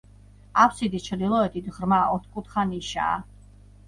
აბსიდის ჩრდილოეთით ღრმა, ოთხკუთხა ნიშაა.